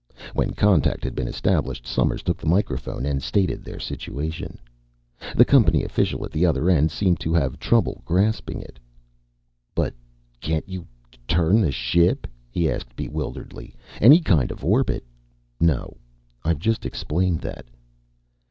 When contact had been established, Somers took the microphone and stated their situation. The company official at the other end seemed to have trouble grasping it. "But can't you turn the ship?" he asked bewilderedly. "Any kind of an orbit " "No. I've just explained that."